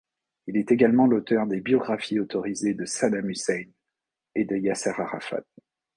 Il est également l'auteur des biographies autorisées de Saddam Hussein et de Yasser Arafat.